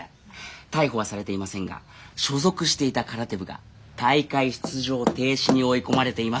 逮捕はされていませんが所属していた空手部が大会出場停止に追い込まれています。